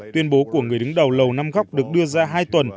tuyên bố của người đứng đầu lầu năm góc được đưa ra hai tuần